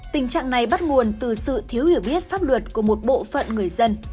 tình trạng này bắt nguồn từ sự thiếu hiểu biết pháp luật của một bộ phận người dân